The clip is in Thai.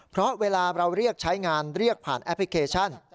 เพราะเวลาเราเรียกใช้งานเรียกผ่านแอปพลิเคชัน